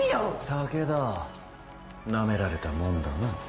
武田ナメられたもんだな。